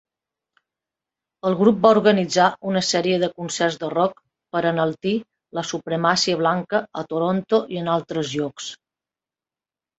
El grup va organitzar una sèrie de concerts de rock per enaltir la supremacia blanca a Toronto i en altres llocs.